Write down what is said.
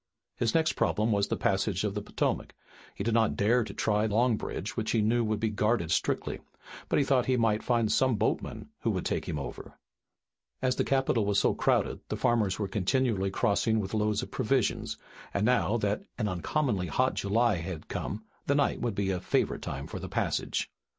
His next problem was the passage of the Potomac. He did not dare to try Long Bridge, which he knew would be guarded strictly, but he thought he might find some boatman who would take him over. As the capital was so crowded, the farmers were continually crossing with loads of provisions, and now that an uncommonly hot July had come the night would be a favorite time for the passage.